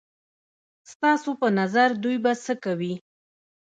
ستاسو په نظر دوی به څه کوي؟